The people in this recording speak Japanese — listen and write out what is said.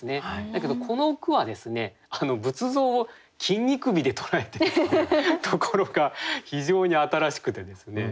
だけどこの句は仏像を筋肉美で捉えてるっていうところが非常に新しくてですね。